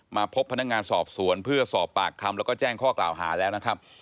มาพบพนักงานสอบสวนเพื่อสอบปากคำแล้วก็แจ้งข้อกล่าวหาแล้วนะครับ